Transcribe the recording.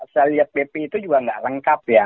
saya lihat bp itu juga nggak lengkap ya